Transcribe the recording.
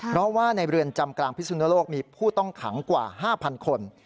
เพราะว่าในเรือนจำกลางพิสุนโลกมีผู้ต้องขังกว่า๕๐๐คน